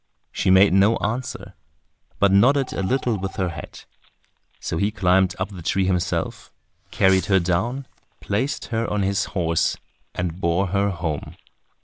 She made no answer, but nodded a little with her head. So he climbed up the tree himself, carried her down, placed her on his horse, and bore her home.